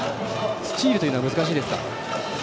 スチールというのは難しいですか？